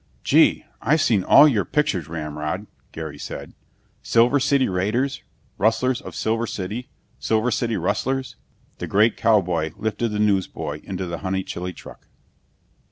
"Gee, I've seen all your pictures, Ramrod," Gary said. "Silver City Raiders, Rustlers of Silver City, Silver City Rustlers " The great cowboy lifted the newsboy into the Honeychile truck.